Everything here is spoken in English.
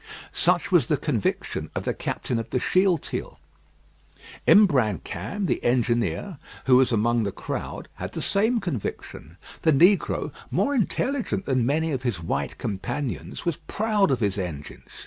Such was the conviction of the captain of the Shealtiel. Imbrancam, the engineer, who was among the crowd, had the same conviction. The negro, more intelligent than many of his white companions, was proud of his engines.